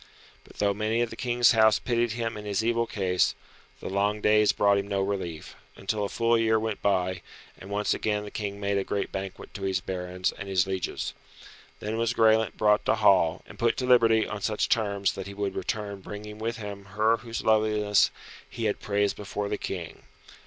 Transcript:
But though many of the King's house pitied him in his evil case, the long days brought him no relief, until a full year went by, and once again the King made a great banquet to his barons and his lieges. Then was Graelent brought to hall, and put to liberty on such terms that he would return bringing with him her whose loveliness he had praised before the King.